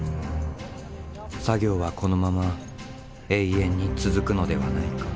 作業はこのまま永遠に続くのではないか。